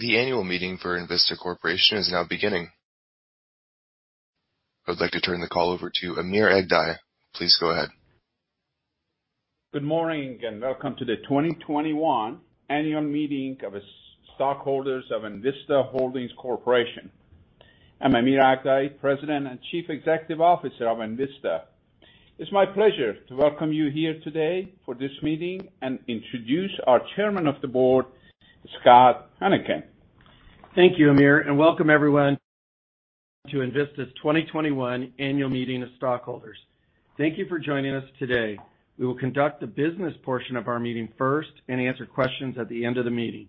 The annual meeting for Envista Corporation is now beginning. I would like to turn the call over to Amir Aghdaei. Please go ahead. Good morning, and welcome to the 2021 annual meeting of the stockholders of Envista Holdings Corporation. I'm Amir Aghdaei, President and Chief Executive Officer of Envista. It's my pleasure to welcome you here today for this meeting and introduce our Chairman of the Board, Scott Huennekens. Thank you, Amir, and welcome everyone to Envista's 2021 annual meeting of stockholders. Thank you for joining us today. We will conduct the business portion of our meeting first and answer questions at the end of the meeting.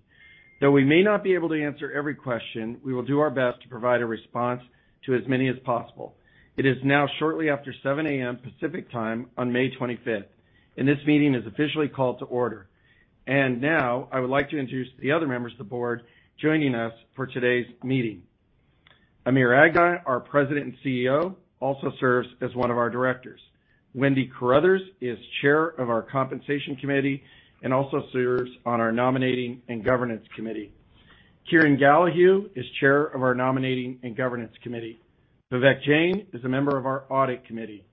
Though we may not be able to answer every question, we will do our best to provide a response to as many as possible. It is now shortly after 7 A.M. Pacific Time on May 25, and this meeting is officially called to order. And now I would like to introduce the other members of the board joining us for today's meeting. Amir Aghdaei, our President and CEO, also serves as one of our directors. Wendy Carruthers is chair of our Compensation Committee and also serves on our Nominating and Governance Committee. Kieran Gallahue is Chair of our Nominating and Governance Committee. Vivek Jain is a member of our Audit Committee.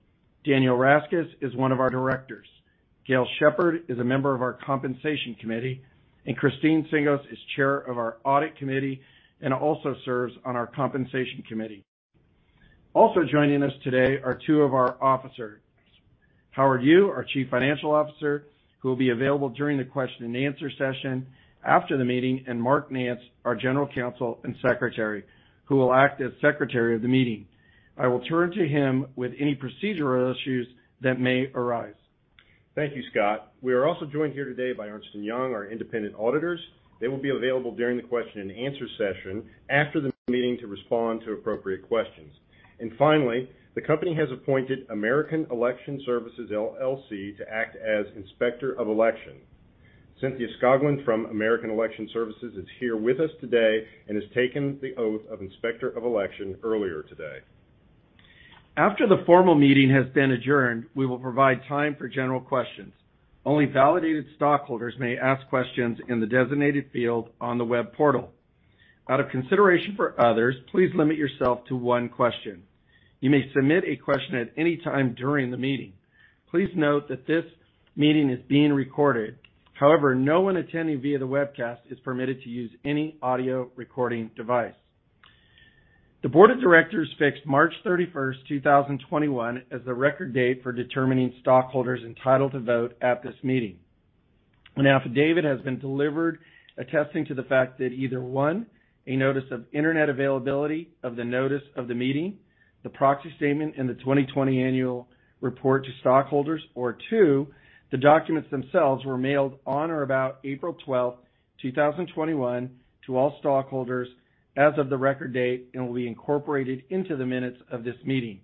Daniel Raskas is one of our directors. Gayle Schueller is a member of our Compensation Committee, and Christine Tsingos is chair of our Audit Committee and also serves on our Compensation Committee. Also joining us today are two of our officers, Howard Yu, our Chief Financial Officer, who will be available during the question and answer session after the meeting, and Mark Nance, our General Counsel and Secretary, who will act as secretary of the meeting. I will turn to him with any procedural issues that may arise. Thank you, Scott. We are also joined here today by Ernst & Young, our independent auditors. They will be available during the question and answer session after the meeting to respond to appropriate questions. And finally, the company has appointed American Election Services, LLC, to act as Inspector of Election. Cynthia Scoggin from American Election Services is here with us today and has taken the oath of Inspector of Election earlier today. After the formal meeting has been adjourned, we will provide time for general questions. Only validated stockholders may ask questions in the designated field on the web portal. Out of consideration for others, please limit yourself to one question. You may submit a question at any time during the meeting. Please note that this meeting is being recorded. However, no one attending via the webcast is permitted to use any audio recording device. The board of directors fixed March 31st, 2021, as the record date for determining stockholders entitled to vote at this meeting. An affidavit has been delivered attesting to the fact that either, one, a notice of internet availability of the notice of the meeting, the proxy statement, and the 2020 annual report to stockholders, or, two, the documents themselves were mailed on or about April 12, 2021, to all stockholders as of the record date and will be incorporated into the minutes of this meeting.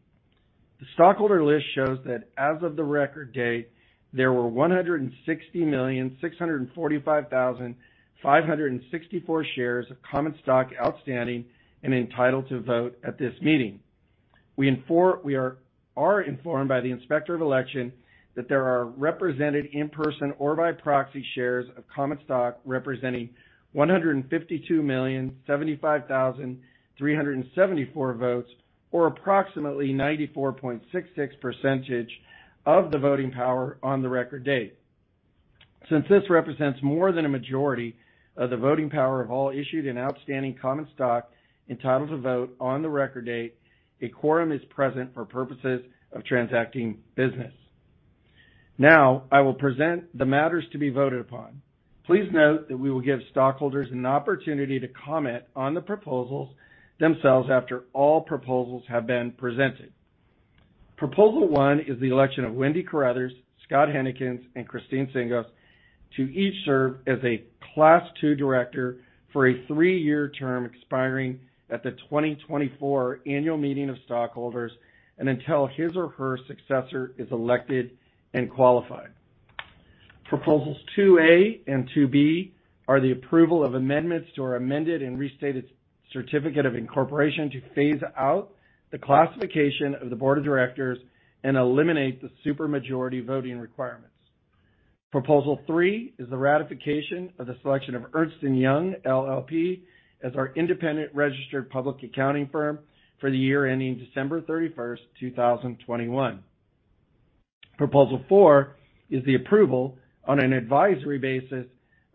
The stockholder list shows that as of the record date, there were 160,645,564 shares of common stock outstanding and entitled to vote at this meeting. We are informed by the Inspector of Election that there are represented in person or by proxy shares of common stock representing 152,075,374 votes, or approximately 94.66% of the voting power on the record date. Since this represents more than a majority of the voting power of all issued and outstanding common stock entitled to vote on the record date, a quorum is present for purposes of transacting business. Now, I will present the matters to be voted upon. Please note that we will give stockholders an opportunity to comment on the proposals themselves after all proposals have been presented. Proposal 1 is the election of Wendy Carruthers, Scott Huennekens, and Christine Tsingos to each serve as a Class II Director for a 3-year term expiring at the 2024 annual meeting of stockholders and until his or her successor is elected and qualified. Proposals 2A and 2B are the approval of amendments to our amended and restated certificate of incorporation to phase out the classification of the board of directors and eliminate the supermajority voting requirements. Proposal 3 is the ratification of the selection of Ernst & Young, LLP, as our independent registered public accounting firm for the year ending December 31, 2021. Proposal 4 is the approval on an advisory basis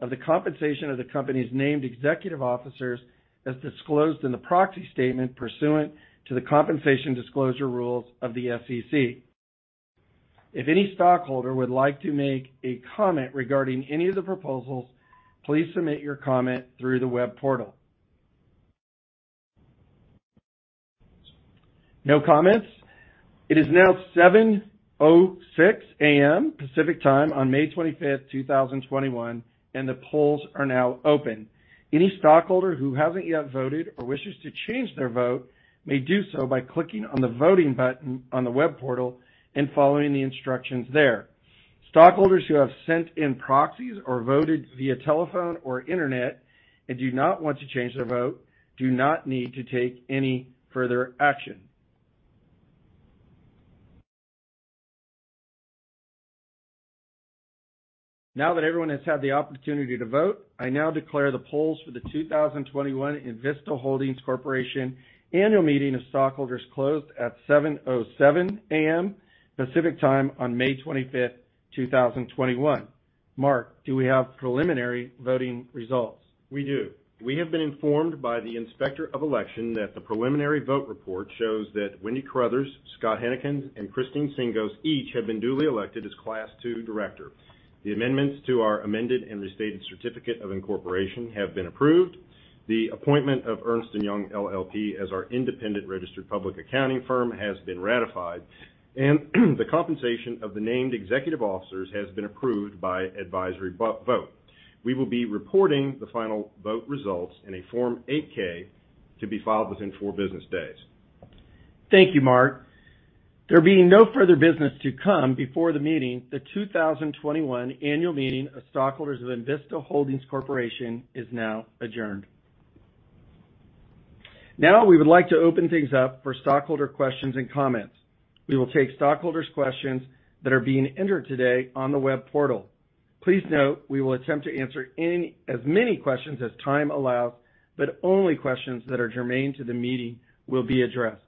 of the compensation of the company's named executive officers, as disclosed in the proxy statement pursuant to the compensation disclosure rules of the SEC. If any stockholder would like to make a comment regarding any of the proposals, please submit your comment through the web portal. No comments? It is now 7:06 A.M. Pacific Time on May 25th, 2021, and the polls are now open. Any stockholder who hasn't yet voted or wishes to change their vote may do so by clicking on the voting button on the web portal and following the instructions there. Stockholders who have sent in proxies or voted via telephone or internet and do not want to change their vote, do not need to take any further action. Now that everyone has had the opportunity to vote, I now declare the polls for the 2021 Envista Holdings Corporation Annual Meeting of Stockholders closed at 7:07 A.M. Pacific Time on May 25th, 2021. Mark, do we have preliminary voting results? We do. We have been informed by the Inspector of Election that the preliminary vote report shows that Wendy Carruthers, Scott Huennekens, and Christine Tsingos each have been duly elected as Class II Director. The amendments to our amended and restated Certificate of Incorporation have been approved. The appointment of Ernst & Young LLP as our independent registered public accounting firm has been ratified, and the compensation of the named executive officers has been approved by advisory vote. We will be reporting the final vote results in a Form 8-K to be filed within four business days. Thank you, Mark. There being no further business to come before the meeting, the 2021 Annual Meeting of Stockholders of Envista Holdings Corporation is now adjourned. Now, we would like to open things up for stockholder questions and comments. We will take stockholders' questions that are being entered today on the web portal. Please note, we will attempt to answer as many questions as time allows, but only questions that are germane to the meeting will be addressed.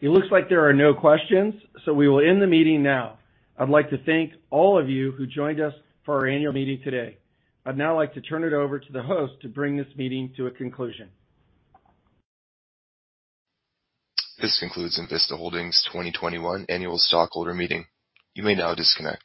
It looks like there are no questions, so we will end the meeting now. I'd like to thank all of you who joined us for our annual meeting today. I'd now like to turn it over to the host to bring this meeting to a conclusion. This concludes Envista Holdings' 2021 Annual Stockholder Meeting. You may now disconnect.